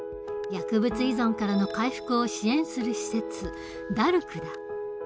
薬物依存からの回復を支援する施設ＤＡＲＣだ。